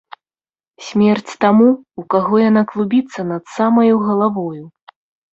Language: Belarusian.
Смерць таму, у каго яна клубіцца над самаю галавою.